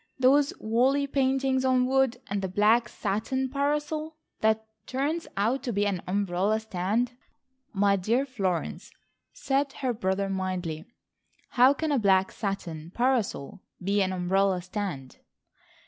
Those woolly paintings on wood, and the black satin parasol that turns out to be an umbrella stand." "My dear Florence," said her brother mildly, "how can a black satin parasol be an umbrella stand?"